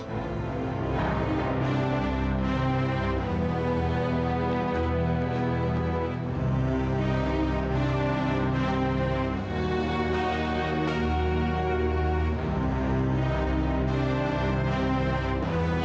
pertiduran adalah sampai